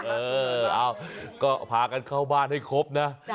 เออเอาก็พากันเข้าบ้านให้ครบนะ